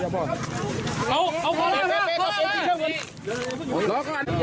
โอ้โฮโอ้โฮ